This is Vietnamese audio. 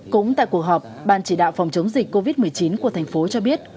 cũng tại cuộc họp ban chỉ đạo phòng chống dịch covid một mươi chín của thành phố cho biết